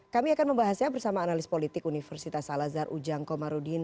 kami akan membahasnya bersama analis politik universitas al azhar ujang komarudin